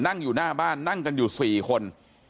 นั่งอยู่หน้าบ้านนั่งกันอยู่๔คน